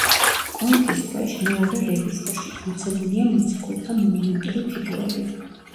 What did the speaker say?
კონქის ქვეშ, მეორე რეგისტრში, მოცემულია მოციქულთა მონუმენტური ფიგურები.